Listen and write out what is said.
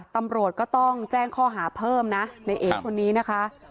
ตำรวจก็ต้องแจ้งข้อหาเพิ่มนะในเอคนนี้นะคะ